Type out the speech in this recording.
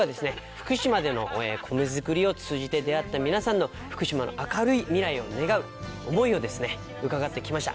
福島での米作りを通じて出会った皆さんの福島の明るい未来を願う想いを伺って来ました。